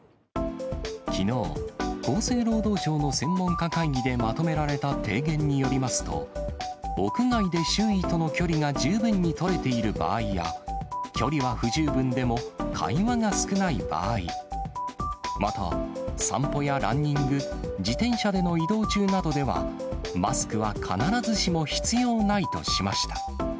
きのう、厚生労働省の専門家会議でまとめられた提言によりますと、屋外で周囲との距離が十分に取れている場合や、距離は不十分でも会話が少ない場合、また、散歩やランニング、自転車での移動中などでは、マスクは必ずしも必要ないとしました。